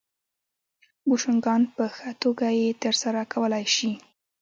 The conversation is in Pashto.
بوشونګان په ښه توګه یې ترسره کولای شي